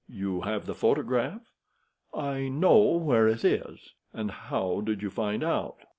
"You have the photograph?" "I know where it is." "And how did you find out?"